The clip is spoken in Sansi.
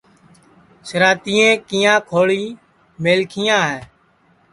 سِراتیے کیاں کھوݪی میلکھیاں ہے